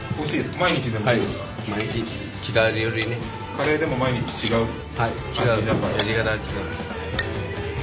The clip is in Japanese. カレーでも毎日違う味だから？